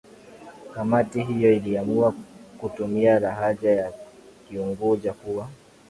Kamati hiyo iliamua kutumia lahaja ya Kiunguja kuwa